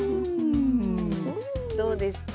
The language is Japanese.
どうですか？